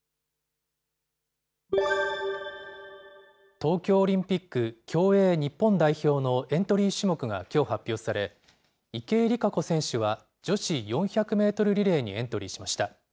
東京オリンピック競泳日本代表のエントリー種目がきょう発表され、池江璃花子選手は女子４００メートルリレーにエントリーしました。